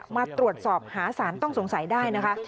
มาตรวจสอบหาสารต้องสงสัยได้นะคะ